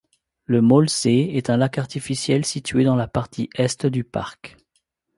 Le Mollsee est un lac artificiel situé dans la partie est du parc.